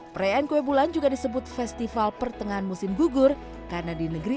perayaan kue bulan juga disebut festival pertengahan musim gugur karena di negeri